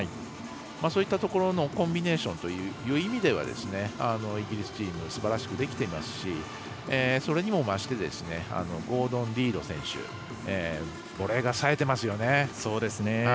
そういったところのコンビネーションという意味ではイギリスチームはすばらしくできていますしそれにも増してゴードン・リード選手ボレーがさえてますよね。